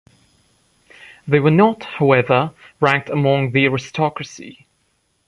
They were not, however, ranked among the aristocracy.